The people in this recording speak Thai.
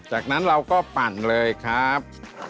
จากนั้นเราก็ปั่นเลยครับ